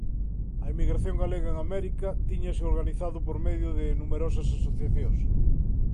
A emigración galega en América tíñase organizado por medio de numerosas asociacións.